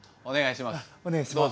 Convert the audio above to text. お願いします。